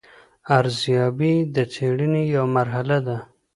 ارزیابي د څېړنې یوه مرحله ده.